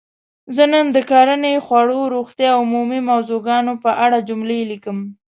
زه نن د کرنې ؛ خوړو؛ روغتیااو عمومي موضوع ګانو په اړه جملې لیکم.